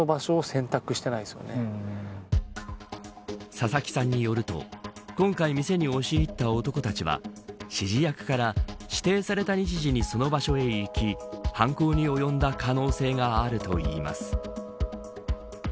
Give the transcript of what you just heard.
佐々木さんによると今回、店に押し入った男たちは指示役から指定された日時にその場所に行き犯行に及んだ可能性があるといいます。